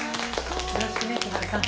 よろしくね千晴さん。